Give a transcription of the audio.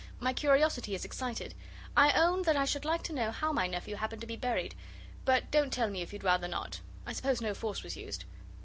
My curiosity is excited. I own that I should like to know how my nephew happened to be buried. But don't tell me if you'd rather not. I suppose no force was used?